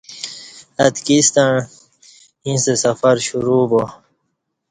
اتکی ستݩع ییݩستہ سفر شرو با